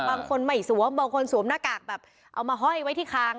บางคนไม่สวมบางคนสวมหน้ากากแบบเอามาห้อยไว้ที่คาง